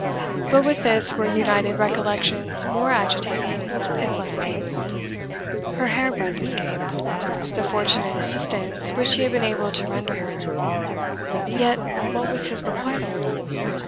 But with this were united recollections more agitating if less painful, her hair breadth escape the fortunate assistance which he had been able to render her Yet what was his requital?